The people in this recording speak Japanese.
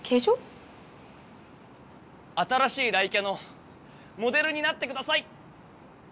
新しい雷キャのモデルになってください！